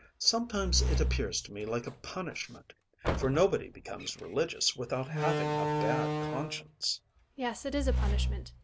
Sometimes it appears to me like a punishment, for nobody becomes religious without having a bad conscience. HENRIETTE. Yes, it is a punishment.